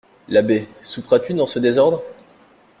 L'abbé, souperas-tu dans ce désordre?